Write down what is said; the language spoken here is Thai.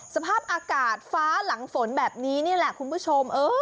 สภาพอากาศฟ้าหลังฝนแบบนี้นี่แหละคุณผู้ชม